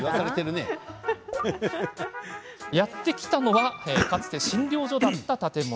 やって来たのはかつて診療所だった建物。